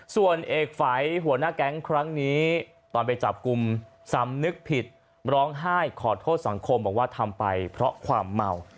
ส่วนเอกฝัยหัวหน้าแก๊งครั้งนี้ตอนไปจับกลุ่มสำนึกผิดร้องไห้ขอโทษสังคมบอกว่าทำไปเพราะความเมา